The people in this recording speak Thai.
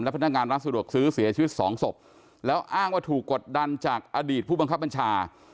พนักงานร้านสะดวกซื้อเสียชีวิตสองศพแล้วอ้างว่าถูกกดดันจากอดีตผู้บังคับบัญชา